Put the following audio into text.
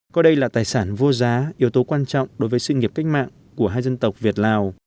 coi đây là tài sản vô giá yếu tố quan trọng đối với sự nghiệp cách mạng của hai dân tộc việt lào